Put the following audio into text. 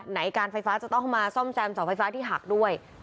การไฟฟ้าจะต้องมาซ่อมแซมเสาไฟฟ้าที่หักด้วย